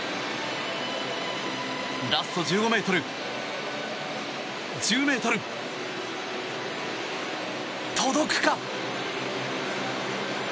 ラスト１５ｍ、１０ｍ届くか。